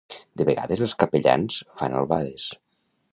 De vegades els capellans fan albades.